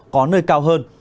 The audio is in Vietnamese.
có nơi cao hơn